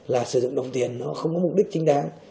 là sử dụng đồng tiền nó không có mục đích chính đáng